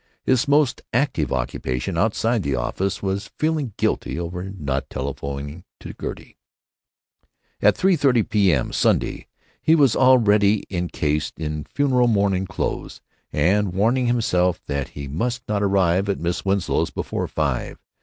His most active occupation outside the office was feeling guilty over not telephoning to Gertie. At 3.30 p.m., Sunday, he was already incased in funereal morning clothes and warning himself that he must not arrive at Miss Winslow's before five.